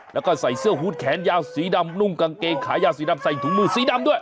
แล้วก็ใส่เสื้อฮูตแขนยาวสีดำนุ่งกางเกงขายาวสีดำใส่ถุงมือสีดำด้วย